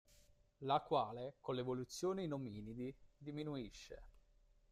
La quale, con l'evoluzione in ominidi, diminuisce.